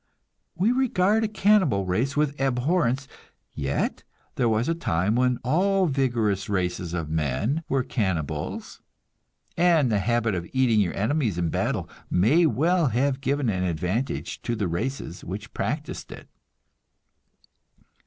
We regard a cannibal race with abhorrence; yet there was a time when all the vigorous races of men were cannibals, and the habit of eating your enemies in battle may well have given an advantage to the races which practiced it.